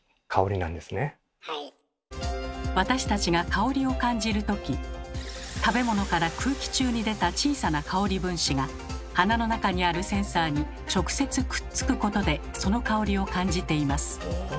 私たちが香りを感じるとき食べ物から空気中に出た小さな香り分子が鼻の中にあるセンサーに直接くっつくことでその香りを感じています。